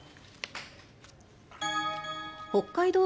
北海道